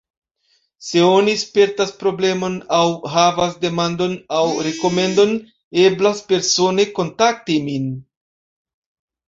Se oni spertas problemon aŭ havas demandon aŭ rekomendon, eblas persone kontakti min.